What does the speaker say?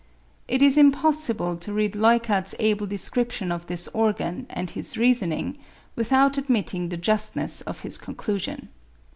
It is impossible to read Leuckart's able description of this organ, and his reasoning, without admitting the justness of his conclusion.